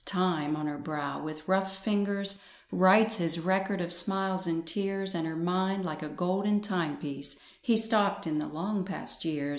Time on her brow with rough fingers Writes his record of smiles and tears; And her mind, like a golden timepiece, He stopped in the long past years.